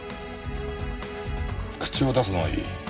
口を出すのはいい。